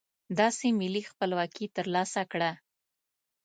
داسې ملي خپلواکي ترلاسه کړه.